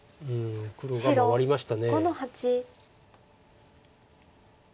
黒が回りました。